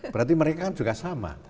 berarti mereka juga sama